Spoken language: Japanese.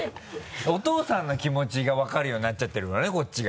お父さんの気持ちが分かるようになっちゃってるからねこっちが。